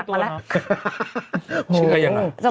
ชิคกี้พายอย่างนั้น